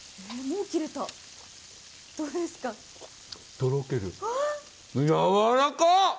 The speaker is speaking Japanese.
とろける、やわらか！